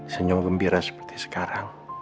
senyum gembira seperti sekarang